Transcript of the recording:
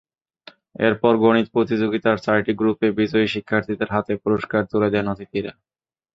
এরপর গণিত প্রতিযোগিতার চারটি গ্রুপে বিজয়ী শিক্ষার্থীদের হাতে পুরস্কার তুলে দেন অতিথিরা।